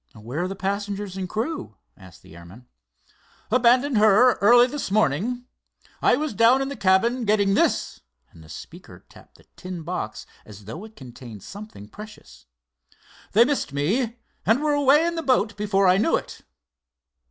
"Where are the passengers and crew?" asked the airman. "Abandoned her early this morning. I was down in the cabin getting this"—and the speaker tapped the tin box as though it contained something precious. "They missed me, and were away in the boat before I knew it."